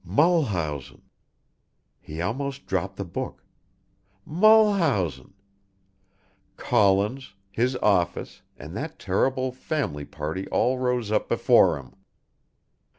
Mulhausen! He almost dropped the book. Mulhausen! Collins, his office, and that terrible family party all rose up before him.